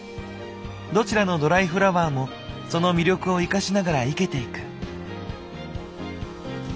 どちらのドライフラワーもその魅力を生かしながら生けていく。